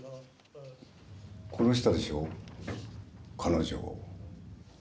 殺したでしょ、彼女を。